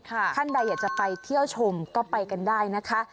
ท่านใดอยากจะไปเที่ยวชมก็ไปกันได้นะคะ